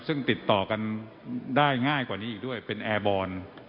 ซึ่งติดต่อกันได้ง่ายกว่านี้อีกด้วยเป็นแอร์บอล